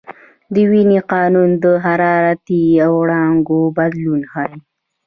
د وین قانون د حرارتي وړانګو بدلون ښيي.